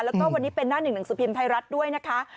แล้วก็วันนี้เป็นหน้าหนึ่งหนังสือพิมพ์ไทยรัฐด้วยนะคะ